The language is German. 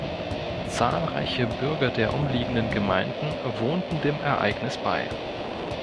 Zahlreiche Bürger der umliegenden Gemeinden wohnten dem Ereignis bei.